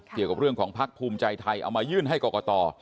เกี่ยวกับเรื่องของภักดิ์ภูมิใจไทยเอามายื่นให้กรกต